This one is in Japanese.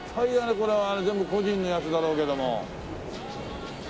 これは全部個人のやつだろうけども。